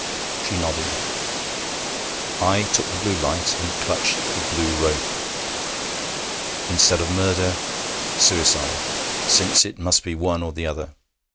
She nodded. I took the blue light and clutched the blue rope. Instead of murder suicide, since it must be one or the other.